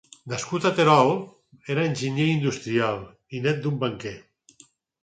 Nascut a Terol, era enginyer industrial, i nét d'un banquer.